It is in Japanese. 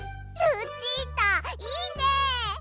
ルチータいいね。